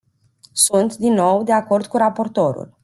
Sunt, din nou, de acord cu raportorul.